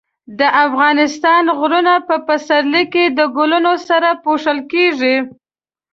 د افغانستان غرونه په پسرلي کې د ګلونو سره پوښل کېږي.